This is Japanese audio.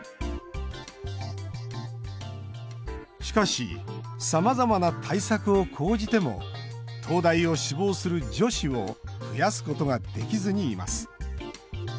しかしさまざまな対策を講じても東大を志望する女子を増やすことができずにいます。